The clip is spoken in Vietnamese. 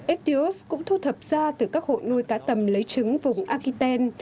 etios cũng thu thập da từ các hội nuôi cá tầm lấy trứng vùng akiten